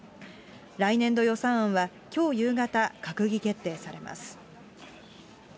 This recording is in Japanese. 来年度予算案は、きょう夕方、閣議決定されます。